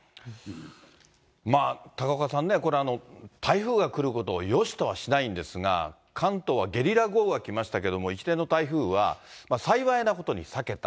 まあ、高岡さんね、これ、台風が来ることをよしとはしないんですが、関東はゲリラ豪雨は来ましたけれども、一連の台風は、幸いなことに避けた。